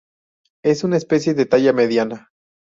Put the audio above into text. Es una especie de talla mediana.